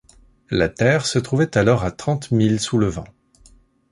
La terre se trouvait alors à trente milles sous le vent.